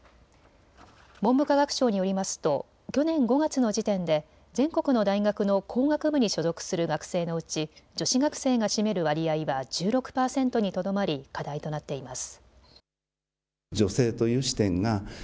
文部科学省によりますと去年５月の時点で全国の大学の工学部に所属する学生のうち女子学生が占める割合は１６％にとどまり課題となっています。